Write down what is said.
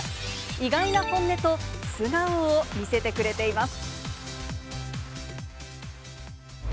意外な本音と素顔を見せてくれています。